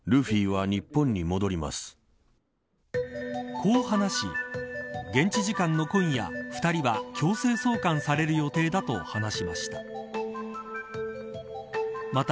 こう話し、現地時間の今夜２人は強制送還される予定だと話しました。